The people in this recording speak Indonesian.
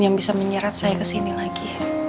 yang bisa menyerat saya ke sini lagi